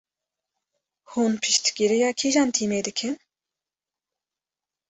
Hûn piştgiriya kîjan tîmê dikin?